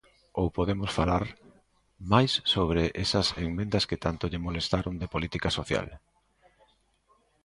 Ou podemos falar máis sobre esas emendas que tanto lle molestaron de política social.